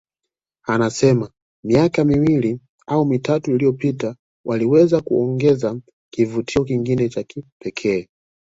Anasema miaka miwili au mitatu iliyopita waliweza kuongeza kivutio kingine cha kipekee